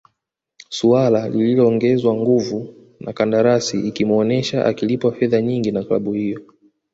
suala lililoongezwa nguvu na kandarasi ikimuonesha akilipwa fedha nyingi na klabu hiyo